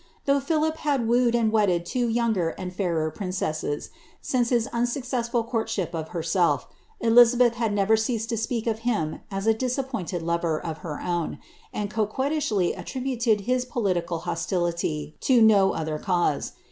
Though Philip had wooed and vedded two younger and fidrer princesses, since his usuocessful courtship of herself, Elizabeth never ceased to speak of him ae a disappointed lover of her own, and coquettishly attributed his political hostility to no other cause.